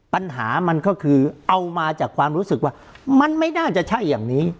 ปัญหามันก็คือเอามาจากความรู้สึกว่ามันไม่น่าจะใช่อย่างนี้